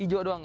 ijo doang ya